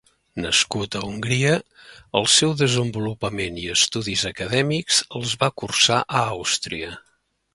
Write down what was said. Nascut a Hongria, el seu desenvolupament i estudis acadèmics els va cursar a Àustria.